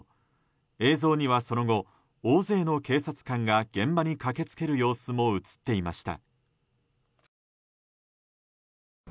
映像には、その後大勢の警察官が現場に駆けつける様子も映っていました。